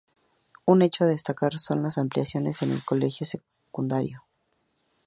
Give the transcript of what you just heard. Un hecho a destacar son las ampliaciones en el Colegio Secundario.